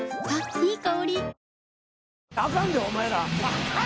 いい香り。